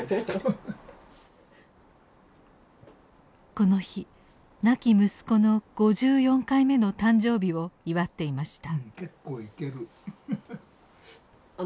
この日亡き息子の５４回目の誕生日を祝っていました。